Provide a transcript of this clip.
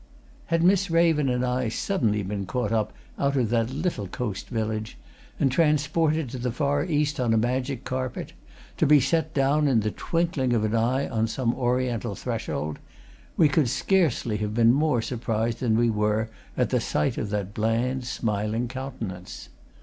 Had Miss Raven and I suddenly been caught up out of that little coast village and transported to the far East on a magic carpet, to be set down in the twinkling of an eye on some Oriental threshold, we could scarcely have been more surprised than we were at the sight of that bland, smiling countenance.